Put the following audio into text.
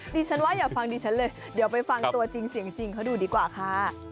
ดิฉันว่าอย่าฟังดิฉันเลยเดี๋ยวไปฟังตัวจริงเสียงจริงเขาดูดีกว่าค่ะ